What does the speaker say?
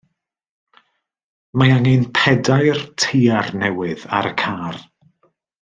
Mae angen pedair teiar newydd ar y car.